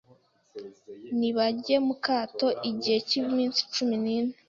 nibajye mukato igihe cy’iminsi cumi nine